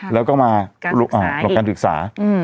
แล้วก็มาหลบการศึกษา